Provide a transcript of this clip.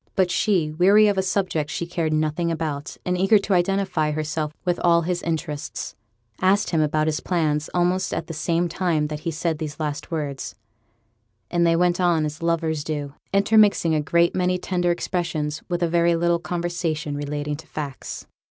But she, weary of a subject she cared nothing about, and eager to identify herself with all his interests, asked him about his plans almost at the same time that he said these last words; and they went on as lovers do, intermixing a great many tender expressions with a very little conversation relating to facts.